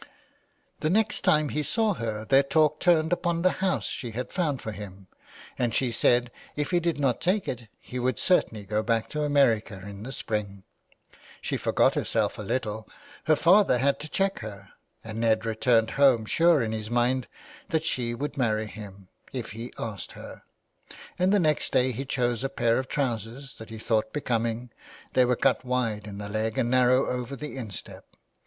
The next time he saw her their talk turned upon the house she had found for him, and she said if he did not take it he would certainly go back to America in the spring. She forgot herself a little ; 3H THE WILD GOOSE. her father had to check her, and Ned returned home sure in his mind that she would marry him — if he asked her. And the next day he chose a pair of trousers that he thought becoming — they were cut wide in the leg and narrow over the instep.